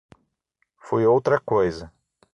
Foi outra coisa.